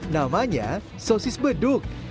namanya sosis beduk